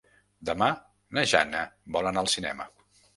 Demà na Jana vol anar al cinema.